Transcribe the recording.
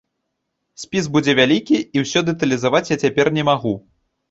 Спіс будзе вялікі, і ўсё дэталізаваць я цяпер не магу.